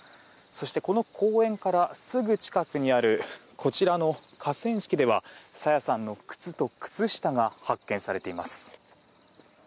そして、この公園からすぐ近くにあるこちらの河川敷では朝芽さんの靴と靴下が発見されています。